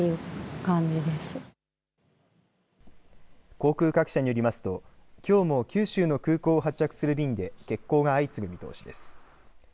航空各社によりますときょうも九州の空港を発着する便で欠航が相次ぐ見通しです。